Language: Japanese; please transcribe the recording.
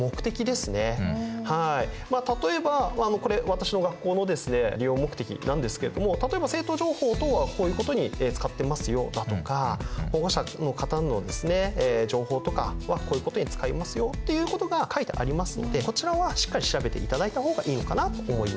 例えばこれ私の学校のですね利用目的なんですけれども例えば生徒情報等はこういうことに使ってますよだとか保護者の方の情報とかはこういうことに使いますよっていうことが書いてありますのでこちらはしっかり調べていただいた方がいいのかなと思います。